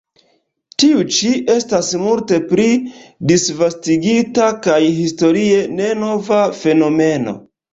Tiu ĉi estas multe pli disvastigita kaj historie ne nova fenomeno.